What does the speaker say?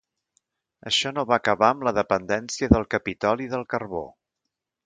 Això no va acabar amb la dependència del Capitoli del carbó.